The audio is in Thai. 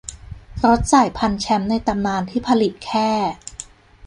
รถสายพันธุ์แชมป์ในตำนานที่ผลิตแค่